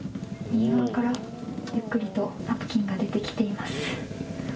右側からゆっくりとナプキンが出てきています。